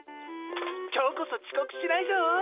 今日こそちこくしないぞ。